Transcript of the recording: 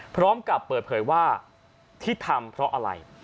พร้อมกับเปิดเผยว่าที่ทำเพราะอะไร